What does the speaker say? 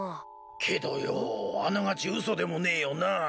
けどよォあながちウソでもねーよなあ。